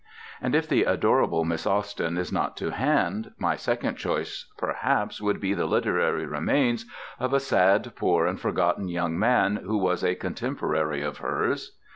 And if the adorable Miss Austen is not to hand, my second choice perhaps would be the literary remains of a sad, poor, and forgotten young man who was a contemporary of hers.